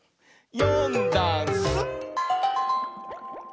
「よんだんす」